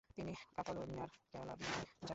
তিনি কাতালোনিয়ার ক্যালাব্রিয়ায় যান।